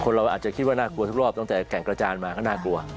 เราอาจจะคิดว่าน่ากลัวทุกรอบตั้งแต่แก่งกระจานมาก็น่ากลัว